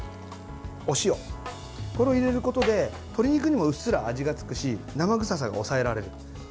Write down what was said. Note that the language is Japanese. これを入れることで鶏肉にもうっすら味がつくし生臭さが抑えられる。